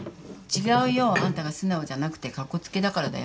違うよ。あんたが素直じゃなくてカッコつけだからだよ。